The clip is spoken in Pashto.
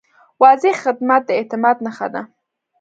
واضح خدمت د اعتماد نښه ده.